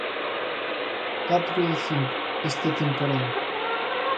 Catro de cinco esta temporada.